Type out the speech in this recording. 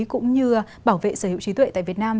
cũng như bảo vệ sở hữu trí tuệ tại việt nam